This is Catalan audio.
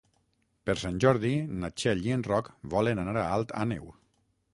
Per Sant Jordi na Txell i en Roc volen anar a Alt Àneu.